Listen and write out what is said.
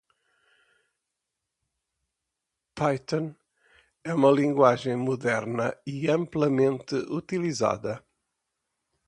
Python é uma linguagem moderna e amplamente utilizada